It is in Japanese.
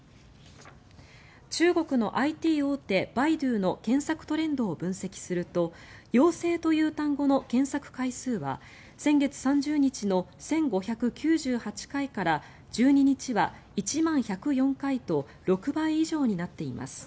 中国のＩＴ大手バイドゥの検索トレンドを分析すると「陽性」という単語の検索回数は先月３０日の１５９８回から１２日は１万１０４回と６倍以上になっています。